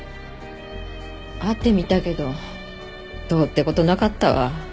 会ってみたけどどうって事なかったわ。